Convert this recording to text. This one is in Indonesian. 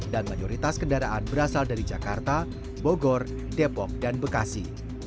mayoritas kendaraan berasal dari jakarta bogor depok dan bekasi